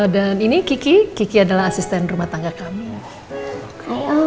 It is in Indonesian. dan ini kiki kiki adalah asisten rumah tangga kami